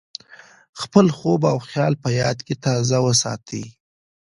خپل خوب او خیال په یاد کې تازه وساتئ.